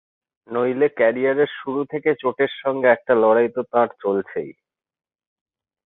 নইলে ক্যারিয়ারের শুরু থেকে চোটের সঙ্গে একটা লড়াই তো তাঁর চলছেই।